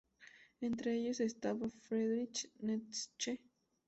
Entre ellos estaba Friedrich Nietzsche.